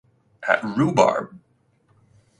At Rhubarb!